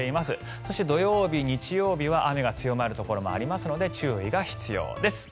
そして土曜日、日曜日は雨が強まるところもありますので注意が必要です。